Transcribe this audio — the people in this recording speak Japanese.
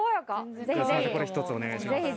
これ一つお願いします。